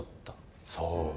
そう。